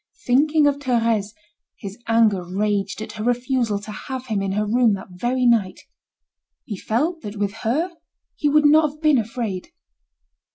Thinking of Thérèse, his anger raged at her refusal to have him in her room that very night. He felt that with her he would not have been afraid.